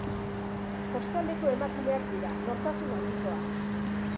Kostaldeko emakumeak dira, nortasun handikoak.